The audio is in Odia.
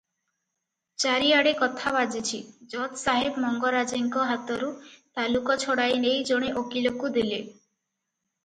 ଚାରିଆଡ଼େ କଥା ବାଜିଛି, ଜଜସାହେବ ମଙ୍ଗରାଜେଙ୍କ ହାତରୁ ତାଲୁକ ଛଡ଼ାଇନେଇ ଜଣେ ଓକିଲକୁ ଦେଲେ ।